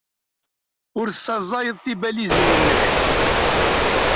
Ur tessaẓayed tibalizin-nnek.